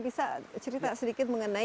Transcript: bisa cerita sedikit mengenai